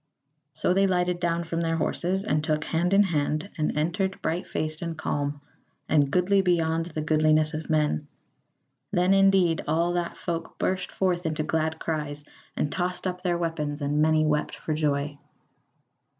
So they lighted down from their horses, and took hand in hand and entered bright faced and calm, and goodly beyond the goodliness of men; then indeed all that folk burst forth into glad cries, and tossed up their weapons, and many wept for joy.